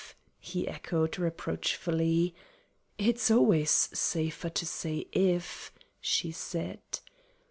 _" he echoed, reproachfully. "It's always safer to say 'if'" she said.